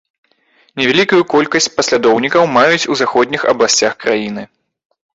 Невялікую колькасць паслядоўнікаў маюць у заходніх абласцях краіны.